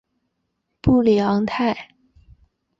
布里昂泰。